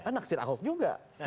anak sir ahok juga